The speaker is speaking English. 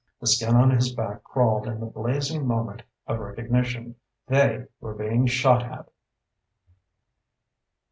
The skin on his back crawled in the blazing moment of recognition. They were being shot at!